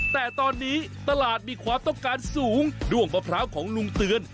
แต่ตอนนี้ตลาดมีความต้องการสูงด้วงมะพร้าวของลุงเตือน